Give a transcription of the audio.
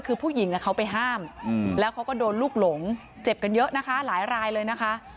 คือผู้หญิงเขาไปห้ามแล้วเขาก็โดนลูกหลงเจ็บกันเยอะนะคะหลายรายเลยนะคะ